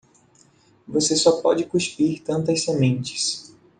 Você só pode cuspir tantas sementes.